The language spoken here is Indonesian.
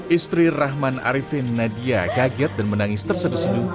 istri rahman arifin nadia kaget dan menangis terseduh seduh